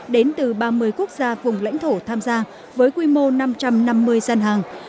đến từ ba mươi quốc gia vùng lãnh thổ tham gia với quy mô năm trăm năm mươi gian hàng